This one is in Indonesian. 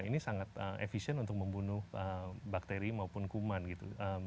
ini sangat efisien untuk membunuh bakteri maupun kuman gitu